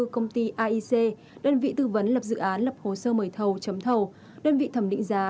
công ty aic đơn vị tư vấn lập dự án lập hồ sơ mời thầu chấm thầu đơn vị thẩm định giá